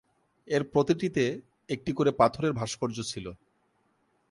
এর প্রতিটিতে একটি করে পাথরের ভাস্কর্য ছিলো।